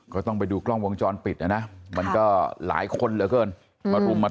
ก็ต้องไปดูกล้องวงจรปิดนะนะมันก็หลายคนเหลือเกินมารุมมา